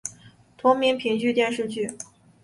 同名评剧电视剧